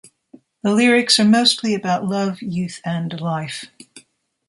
The lyrics are mostly about love, youth and life.